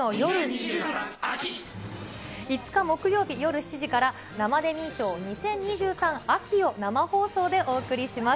５日木曜日の夜７時から、生デミー賞２０２３秋を生放送でお送りします。